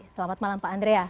selamat malam pak andrea